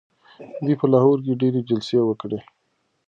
دوی په لاهور کي ډیري جلسې وکړې.